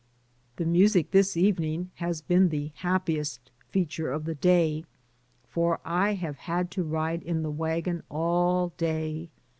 The music this evening has been the happiest feature of the day, for I have had to ride in the wagon all day.